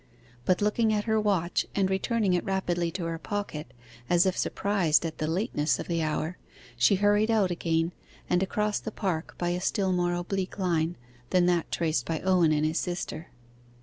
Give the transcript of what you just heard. But looking at her watch, and returning it rapidly to her pocket, as if surprised at the lateness of the hour, she hurried out again, and across the park by a still more oblique line than that traced by Owen and his sister.